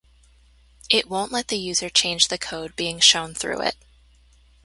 It won't let the user change the code being shown through it.